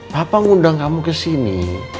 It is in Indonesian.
papa ngundang kamu kesini